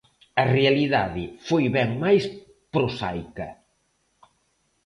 A realidade foi ben máis prosaica.